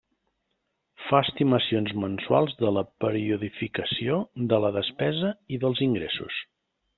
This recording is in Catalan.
Fa estimacions mensuals de la periodificació de la despesa i dels ingressos.